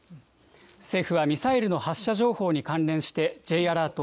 政府はミサイルの発射情報に関連して、Ｊアラート